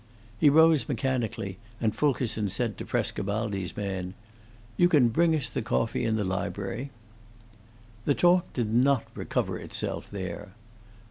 He rose mechanically, and Fulkerson said to Frescobaldi's man, "You can bring us the coffee in the library." The talk did not recover itself there.